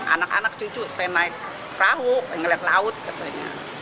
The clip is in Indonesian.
anak anak cucu pengen naik perahu ngeliat laut katanya